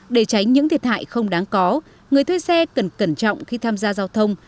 để tránh những thiệt hại không đáng có người thuê xe cần cẩn trọng khi tham gia giao thông